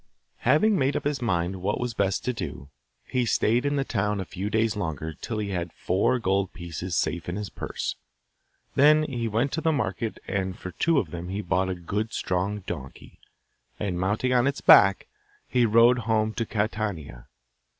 Having made up his mind what was best to do, he stayed in the town a few days longer till he had four gold pieces safe in his purse. Then he went to the market and for two of them he bought a good strong donkey, and, mounting on its back, he rode home to Catania.